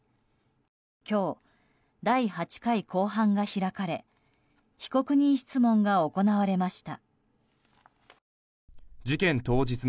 今日、第８回公判が開かれ被告人質問が行われました。